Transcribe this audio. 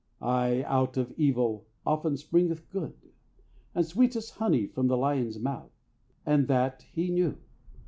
Aye, out of evil often springeth good, And sweetest honey from the lion's mouth. And that he knew.